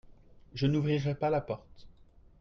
Je n'ouvrirai pas la porte.